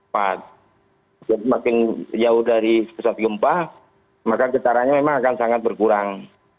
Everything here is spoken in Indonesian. jadi makin jauh dari pesat gempa maka getarannya memang akan sangat berkurang